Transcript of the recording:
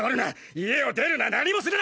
家を出るな何もするな！